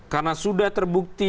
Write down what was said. karena sudah terbukti